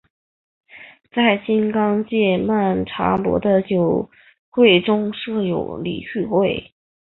在金刚界曼荼罗的九会中设有理趣会。